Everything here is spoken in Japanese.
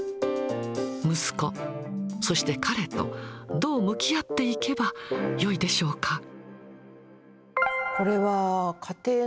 息子、そして彼と、どう向き合っていけばよいでしょうか。